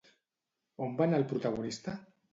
On va anar el protagonista?